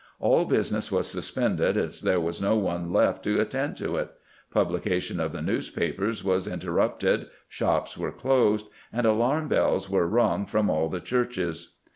All business was suspended, as there was no one left to attend to it; publication of the newspapers was inter rupted; shops were closed; and alarm bells were rung from all the churches.